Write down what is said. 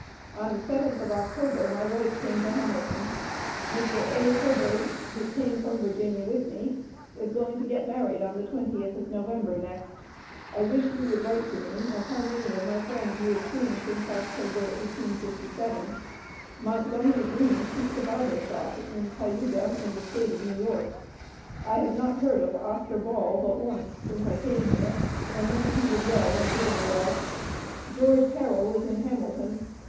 On the seventh of October my wife came to Hamilton. Mr. A. Hurberd, who came from Virginia with me, is going to get married the 20th of November, next. I wish you would write to me how many of my friends you have seen since October, 1857. Montgomery Green keeps a barber shop in Cayuga, in the State of New York. I have not heard of Oscar Ball but once since I came here, and then he was well and doing well. George Carroll is in Hamilton.